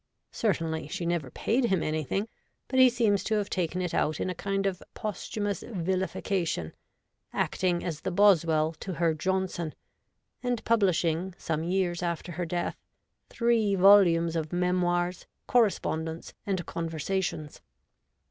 Certainly she never paid him anything, but he seems to have taken it out in a kind of posthumous vilification, acting as the Boswell to her Johnson, and publishing, some years after her death, three volumes of memoirs, correspondence, and conver sations.